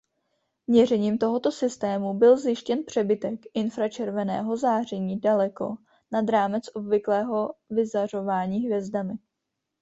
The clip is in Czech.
Měřením tohoto systému byl zjištěn přebytek infračerveného záření daleko nad rámec obvyklého vyzařování hvězdami.